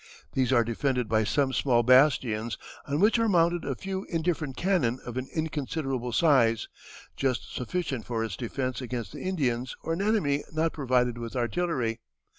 These are defended by some small bastions, on which are mounted a few indifferent cannon of an inconsiderable size, just sufficient for its defence against the Indians or an enemy not provided with artillery.